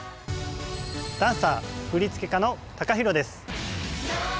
ダンサー振付家のＴＡＫＡＨＩＲＯです。